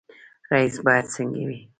رئیس باید څنګه وي؟